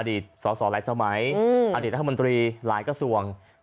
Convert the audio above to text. อดีตสหรัฐสมัยอดีตรัฐมนตรีหลายกระทรวง